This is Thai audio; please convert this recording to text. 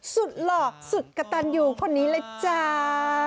สุดหลอกสุดกระตันอยู่คนนี้เลยจ้า